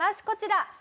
こちら。